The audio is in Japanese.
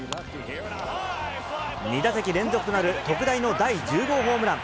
２打席連続となる特大の第１０号ホームラン。